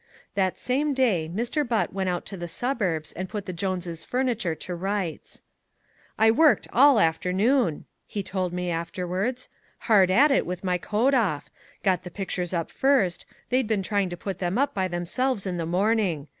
That same day Mr. Butt went out to the suburbs and put the Joneses' furniture to rights. "I worked all afternoon," he told me afterwards, "hard at it with my coat off got the pictures up first they'd been trying to put them up by themselves in the morning.